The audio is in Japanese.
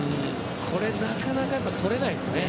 これ、なかなかとれないですね。